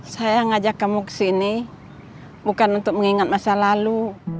saya ngajak kamu ke sini bukan untuk mengingat masa lalu